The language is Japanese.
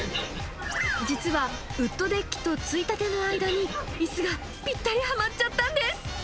実はウッドデッキとついたての間に、いすがぴったりはまっちゃったんです。